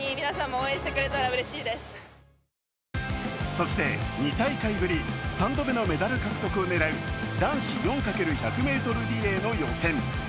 そして、２大会ぶり３度目のメダル獲得を狙う男子４×１００リレーの予選。